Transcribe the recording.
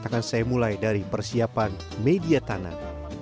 akan saya mulai dari persiapan media tanah